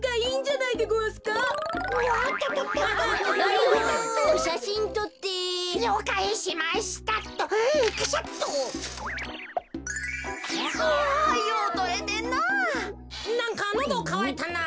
なんかのどかわいたな。